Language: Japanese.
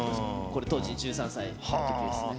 これ当時１３歳のときですね。